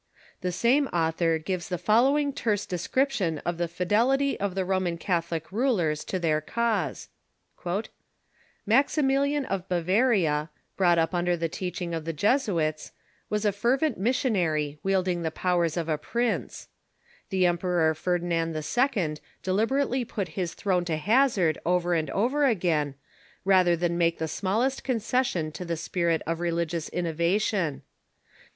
The same author gives the following terse description of the fidelity of the Roman Catholic rulers to their cause : "Max imilian of Bavaria, brought up under the teaching of the Jesuits, was a fervent missionary wielding the powers of a 316 THE MODERN CTIURCU prince. The Emperor Ferdinand II. deliberately put his throne to hazard over and over again rather than make the smallest concession to the spirit of religious innovation.